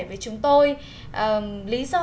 với chúng tôi lý do